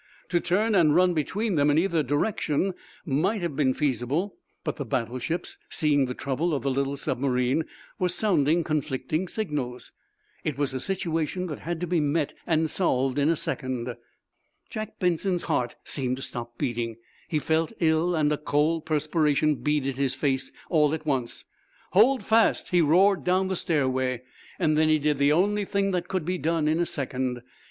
To turn and run between them in either direction might have been feasible, but the battleships, seeing the trouble of the little submarine, were sounding conflicting signals. It was a situation that had to be met and solved in a second. Jack Benson's heart seemed to stop beating; he felt ill, and a cold perspiration beaded his face all at once. "Hold fast!" he roared down the stairway. Then he did the only thing that could be done in a second.